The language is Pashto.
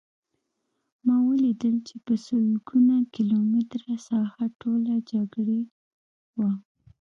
ما ولیدل چې په سلګونه کیلومتره ساحه ټوله جګړې وه